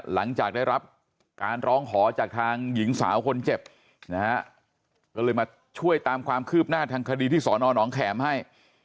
หลังจากได้รับการร้องขอจากทางหญิงสาวคนเจ็บนะฮะก็เลยมาช่วยตามความคืบหน้าทางคดีที่สอนอนองแขมให้